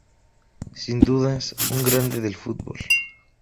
Sin dudas un Grande del Futbol.